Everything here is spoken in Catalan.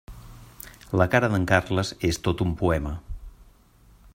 La cara d'en Carles és tot un poema.